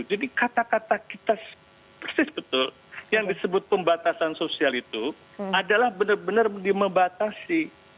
jadi kata kata kita persis betul yang disebut pembatasan sosial itu adalah benar benar dimematasi